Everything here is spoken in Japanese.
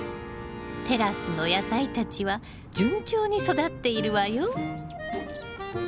テラスの野菜たちは順調に育っているわよ。